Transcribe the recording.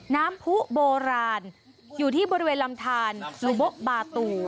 น้ำผู้โบราณอยู่ที่บริเวณลำทานซูโบบาตู